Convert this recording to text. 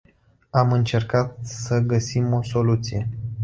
Am încercat sa găsim o soluție.